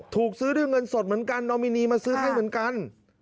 ถูกซื้อด้วยเงินสดเหมือนกันนอมินีมาซื้อให้เหมือนกัน